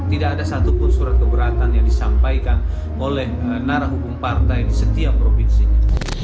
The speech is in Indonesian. tidak ada satupun surat keberatan yang disampaikan oleh narah hukum partai di setiap provinsinya